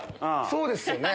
そうですよね。